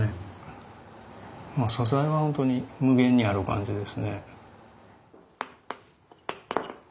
素材は本当に無限にある感じですね。